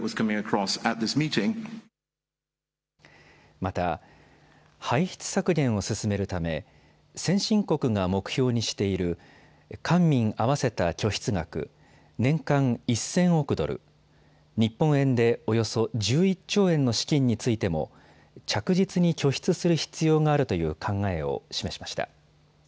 また、排出削減を進めるため先進国が目標にしている官民合わせた拠出額、年間１０００億ドル、日本円でおよそ１１兆円の資金についても着実に拠出する必要があるという考えを示しました。